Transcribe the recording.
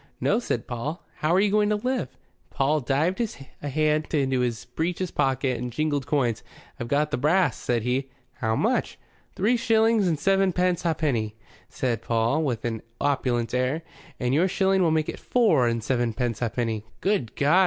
"No," said Paul. "How are you going to live?" Paul dived a hand into his breeches pocket and jingled coins. "I've got th' brass," said he. "How much?" "Three shillings and sevenpence ha'penny," said Paul, with an opulent air. "And yo'r shilling will make it four and sevenpence ha'penny." "Good God!"